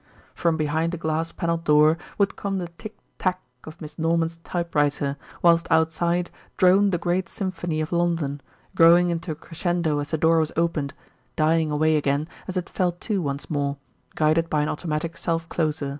From behind the glass panelled door would come the tick tack of Miss Norman's typewriter, whilst outside droned the great symphony of London, growing into a crescendo as the door was opened, dying away again as it fell to once more, guided by an automatic self closer.